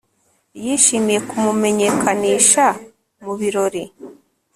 yishimiye kumumenyekanisha mu birori